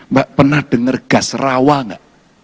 mbak pernah dengar gas rawa nggak